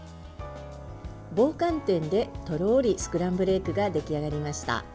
棒寒天でとろーりスクランブルエッグが出来上がりました。